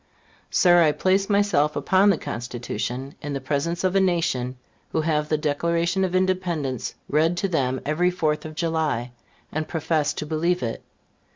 Sir, I place myself upon the Constitution, in the presence of a nation who have the Declaration of Independence read to them every Fourth of July, and profess to believe it.